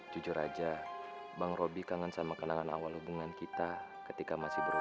jujur aja bang robi kangen sama kenangan awal hubungan kita ketika masih berhubung